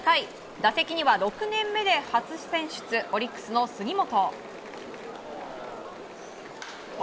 打席には６年目で初選出オリックスの杉本。